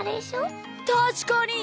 たしかに！